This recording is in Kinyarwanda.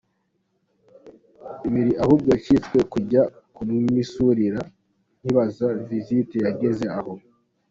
biri ahubwo yacitswe akajya kumwisurira, nkibaza visite yageze aho.